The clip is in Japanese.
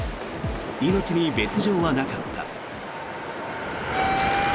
命に別条はなかった。